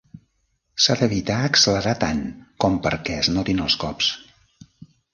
S'ha d'evitar accelerar tant com perquè es notin els cops.